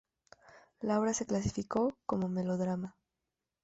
La obra se clasificó como "melodrama".